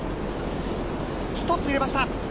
１つ入れました。